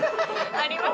あります。